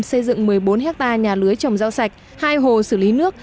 xây dựng một mươi bốn hectare nhà lưới trồng rau sạch hai hồ xử lý nước